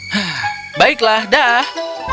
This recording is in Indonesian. haa baiklah dah